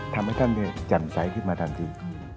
ทำให้ท่านเนี่ยจำใสที่มาทางนี้